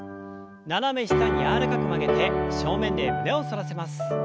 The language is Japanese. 斜め下に柔らかく曲げて正面で胸を反らせます。